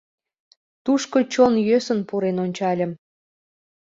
Тушко чон йӧсын пурен ончальым.